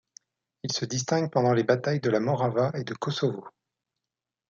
Il se distingue pendant les batailles de la Morava et de Kosovo.